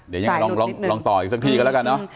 เดี๋ยวยังไงลองต่ออีกสักทีกันแล้วกันเนอะ